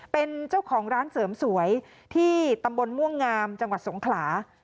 เป็นเจ้าของร้านเสริมสวยที่ตำบลม่วงงามจังหวัดสงขลา